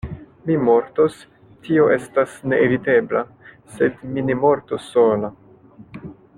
Mi mortos; tio estas neevitebla: sed mi ne mortos sola.